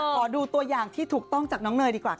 ขอดูตัวอย่างที่ถูกต้องจากน้องเนยดีกว่าค่ะ